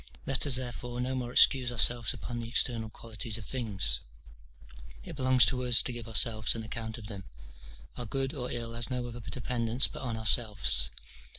Let us, therefore, no more excuse ourselves upon the external qualities of things; it belongs to us to give ourselves an account of them. Our good or ill has no other dependence but on ourselves.